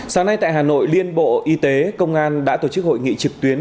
sáng nay tại hà nội liên bộ y tế công an đã tổ chức hội nghị trực tuyến